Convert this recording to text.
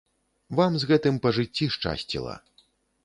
Вам з гэтым па жыцці шчасціла.